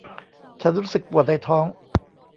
ฉันรู้สึกปวดในท้อง